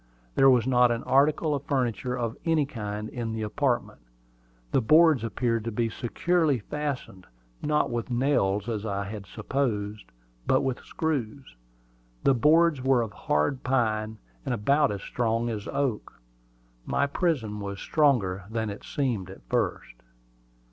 There was not an article of furniture of any kind in the apartment. The boards appeared to be securely fastened, not with nails, as I had supposed, but with screws. The boards were of hard pine, and about as strong as oak. My prison was stronger than it seemed at first.